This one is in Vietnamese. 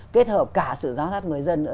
kết hợp cả sự giám sát người dân nữa